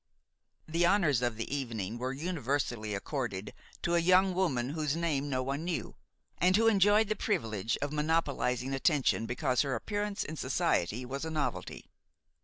The honors of the evening were universally accorded to a young woman whose name no one knew, and who enjoyed the privilege of monopolizing attention because her appearance in society was a novelty.